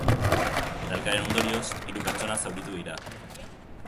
Talkaren ondorioz, hiru pertsona zauritu dira.